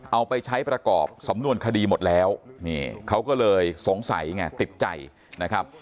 เอาไปใช้ประกอบสำนวนคดีหมดแล้วนี่เขาก็เลยสงสัยไงติดใจนะครับ